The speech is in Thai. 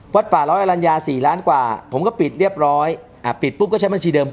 ป่าร้อยอรัญญา๔ล้านกว่าผมก็ปิดเรียบร้อยปิดปุ๊บก็ใช้บัญชีเดิม